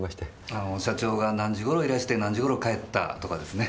あの社長が何時頃いらして何時頃帰ったとかですね。